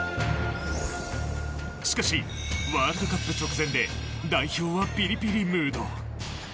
しかし、ワールドカップ直前で代表はピリピリムード。